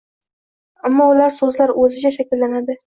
Ammo ular so’zlar o’zicha shakllanadi